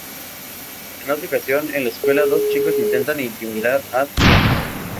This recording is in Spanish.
En otra ocasión, en la escuela, dos chicos intentan intimidar a Tian.